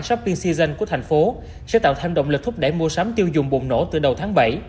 shopping season của thành phố sẽ tạo thành động lực thúc đẩy mua sắm tiêu dùng bụng nổ từ đầu tháng bảy